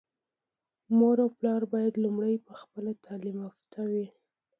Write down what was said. مور او پلار بايد لومړی په خپله تعليم يافته وي.